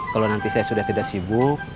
kalau nanti saya sudah tidak sibuk